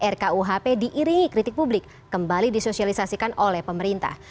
rkuhp diiringi kritik publik kembali disosialisasikan oleh pemerintah